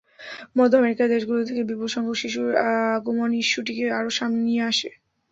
মধ্য আমেরিকার দেশগুলো থেকে বিপুলসংখ্যক শিশুর আগমন ইস্যুটিকে আরও সামনে নিয়ে আসে।